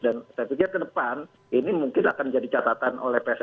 dan saya pikir ke depan ini mungkin akan jadi catatan oleh pssi